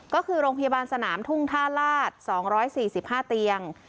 ก็คือโรงพยาบาลสนามทุ่งท่าราชสองร้อยสี่สิบห้าเตียง